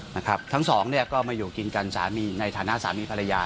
นะครับทั้งสองเนี่ยก็มาอยู่กินกันสามีในฐานะสามีภรรยา